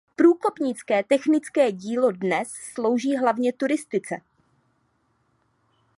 Průkopnické technické dílo dnes slouží hlavně turistice.